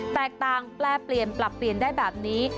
แตกต่างแปลเปลี่ยนปรับเปลี่ยนได้แบบนี้